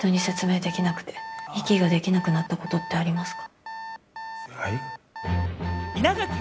自分がどういう人間か人に説明できなくて、息ができなくなったことってありますか？